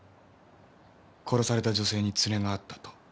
殺された女性に連れがあったと。